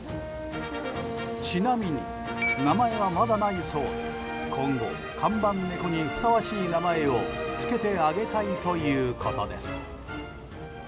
ちなみに名前はまだないそうで今後、看板猫にふさわしい名前を付けてあげたいということです。